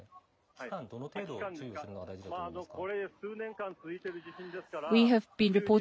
期間、どの程度注意するのが大事だと思いますか。